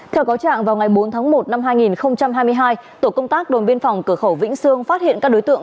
theo cáo trạng vào ngày bốn tháng một năm hai nghìn hai mươi hai tổ công tác đồn biên phòng cửa khẩu vĩnh sương phát hiện các đối tượng